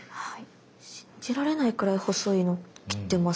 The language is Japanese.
信じられないくらい細いの切ってます。